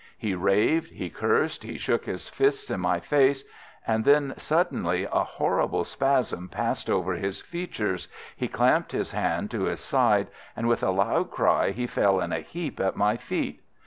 He raved, he cursed, he shook his fists in my face, and then suddenly a horrible spasm passed over his features, he clapped his hand to his side, and with a loud cry he fell in a heap at my feet.